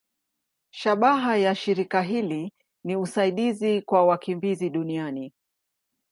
Shabaha ya shirika hili ni usaidizi kwa wakimbizi duniani.